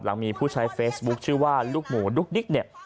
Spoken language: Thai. มีผู้ใช้เฟซบุ๊คชื่อว่าลูกหมูดุ๊กดิ๊กเนี่ย